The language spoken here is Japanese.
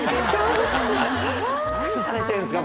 何されてるんですか？